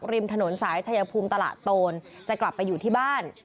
ริมถนนสายชายภูมิตลาดโตนจะกลับไปอยู่ที่บ้าน